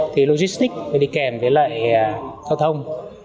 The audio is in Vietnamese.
thì logistic phải đi kèm với lại giao thông